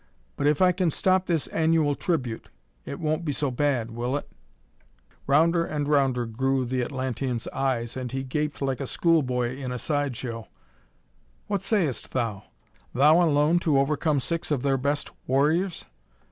But if I can stop this annual tribute, it won't be so bad, will it?" Rounder and rounder grew the Atlantean's eyes, and he gaped like a school boy in a side show. "What sayest thou? Thou alone to overcome six of their best warriors?